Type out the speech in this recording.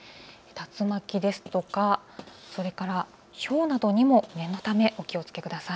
竜巻ですとかひょうなどにも念のため、お気をつけください。